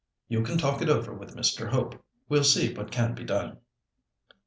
"You can talk it over with Mr. Hope. We'll see what can be done."